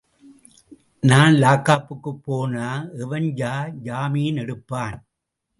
நான் லாக்கப்புக்கு போனா, எவன்யா ஜாமீன் எடுப்பான்?